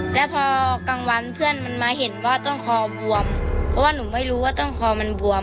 แล้วพอกลางวันเพื่อนมาเห็นว่าต้องคอบวม